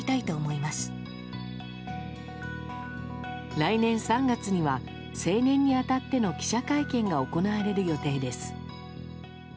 来年３月には成年に当たっての記者会見が行われる予定です。